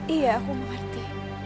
iya aku mengerti